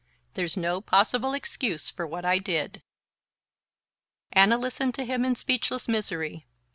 There's no possible excuse for what I did." Anna listened to him in speechless misery.